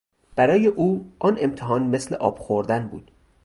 برای او آن امتحان مثل آب خوردن بود.